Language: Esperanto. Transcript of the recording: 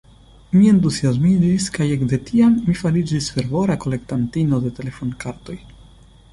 Mi entuziasmiĝis kaj ekde tiam mi fariĝis fervora kolektantino de telefonkartoj.